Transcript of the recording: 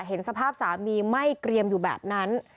เห็นสภาพสามีไหม้เกรียมอยู่แบบนั้น